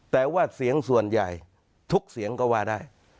แต่ว่าเสียงส่วนใหญ่ทุกเสียงก็ว่าได้